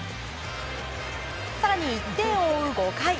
更に１点を追う５回。